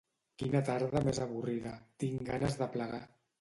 Quina tarda més avorrida, tinc ganes de plegar